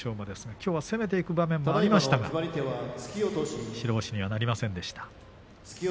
きょうは攻めていく場面もありましたが白星にはなりません。